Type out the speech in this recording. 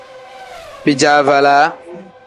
Bijaavalaa.